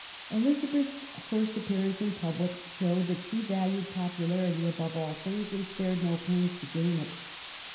Elizabeth's first appearance in public showed that she valued popularity above all things and spared no pains to gain it.